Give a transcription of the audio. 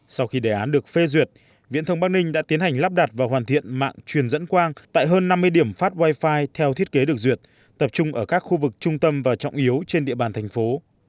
sau khi đề án được phê duyệt viễn thông bắc ninh đã tiến hành lắp đặt và hoàn thiện mạng truyền dẫn quang tại hơn năm mươi điểm phát wifi theo thiết kế được duyệt tập trung ở các khu vực trung tâm và trọng yếu trên địa bàn thành phố